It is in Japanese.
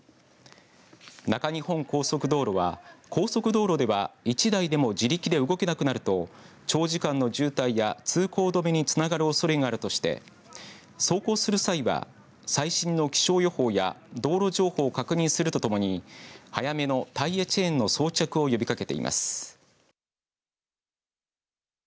中日本高速道路は高速道路では１台でも自力で動けなくなると長時間の渋滞や通行止めにつながるおそれがあるとして走行する際は最新の気象予報や道路情報を確認するとともに早めのタイヤチェーンの装着を呼びかけています。